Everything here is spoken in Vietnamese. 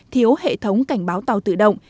thiếu hệ thống cảnh báo tàu tự động